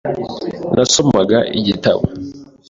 Nasomaga igitabo .